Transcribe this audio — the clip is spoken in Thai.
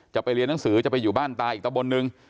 จะไปเรียนหนังสือจะไปอยู่บ้านตาอีกตะบนหนึ่ง